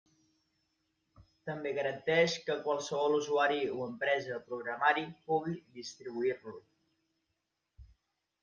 També garanteix que qualsevol usuari o empresa de programari pugui distribuir-lo.